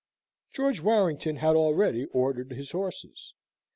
George Warrington had already ordered his horses.